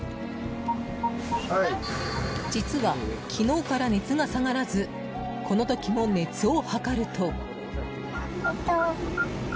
実は、昨日から熱が下がらずこの時も熱を測ると。